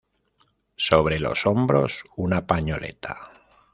Sobre los hombros una pañoleta.